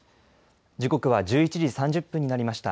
時刻は１１時３０分になりました。